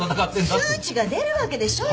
数値が出るわけでしょ？